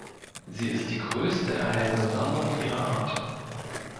Sie ist die größte erhaltene Sammlung ihrer Art.